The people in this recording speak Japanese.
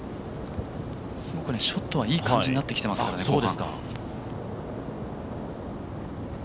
すごく、ショットはいい感じになってきてますからね。